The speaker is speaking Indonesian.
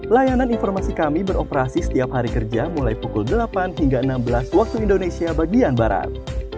layanan informasi kami beroperasi setiap hari kerja mulai pukul delapan hingga enam belas waktu indonesia bagian barat